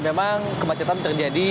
memang kemacetan terjadi